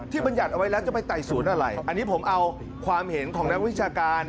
บรรยัติเอาไว้แล้วจะไปไต่สวนอะไรอันนี้ผมเอาความเห็นของนักวิชาการ